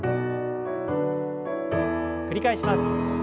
繰り返します。